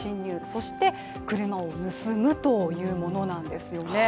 そして車を盗むというものなんですよね。